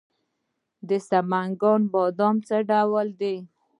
د سمنګان بادام څه ډول دي؟